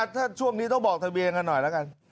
ถ้าช่วงนี้ต้องบอกทะเบียนกันหน่อยแล้วกัน